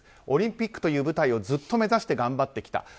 オリンピックという舞台をずっと目指して頑張ってきた。